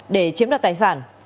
để chiếm đặt tài sản